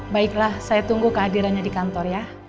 baiklah saya tunggu kehadirannya di kantor ya